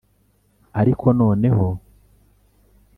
ariko noneho